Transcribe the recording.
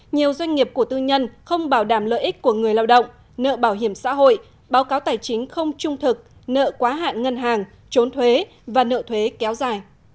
nhiều doanh nghiệp của tư nhân không bảo đảm lợi ích của người lao động nợ bảo hiểm xã hội báo cáo tài chính không trung thực nợ quá hạn ngân hàng trốn thuế và nợ thuế kéo dài